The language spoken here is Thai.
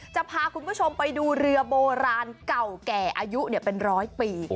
จะพาคุณผู้ชมไปดูเรือโบราณเก่าแก่อายุเป็นร้อยปี